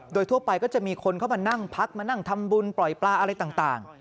โดยทั่วไปก็จะมีคนเข้ามานั่งพักมานั่งทำบุญปล่อยปลาอะไรต่าง